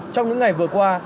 trong những ngày vừa qua